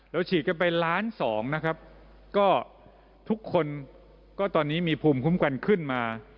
ฉีดกันไปล้านสองนะครับก็ทุกคนก็ตอนนี้มีภูมิคุ้มกันขึ้นมา